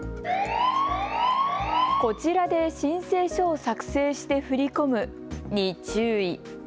こちらで申請書を作成して振り込むに注意。